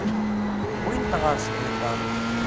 Wwin-t ɣer sbiṭar.